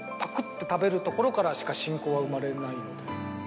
て食べるところからしか信仰は生まれないので。